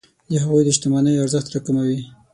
د هغوی د شتمنیو ارزښت راکموي.